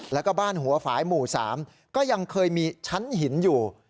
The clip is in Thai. แล้วก็บ้านหัวฝ่ายหมู่๓ก็ยังเคยมีชั้นหินอยู่